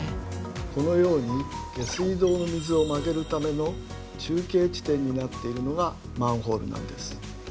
このように下水道の水を曲げるための中継地点になっているのがマンホールなんです。